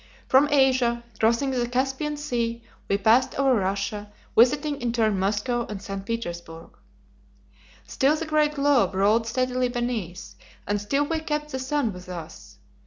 From Asia, crossing the Caspian Sea, we passed over Russia, visiting in turn Moscow and St. Petersburg. Still the great globe rolled steadily beneath, and still we kept the sun with us.